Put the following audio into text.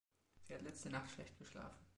Sie hat letzte Nacht schlecht geschlafen.